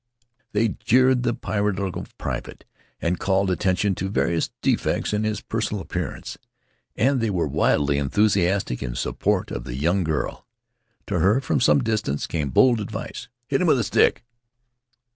They jeered the piratical private, and called attention to various defects in his personal appearance; and they were wildly enthusiastic in support of the young girl. To her, from some distance, came bold advice. "Hit him with a stick."